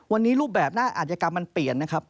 วันนี้รูปแบบหน้าอาจยกรรมมันเปลี่ยนนะครับ